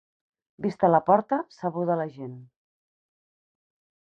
Vista la porta, sabuda la gent.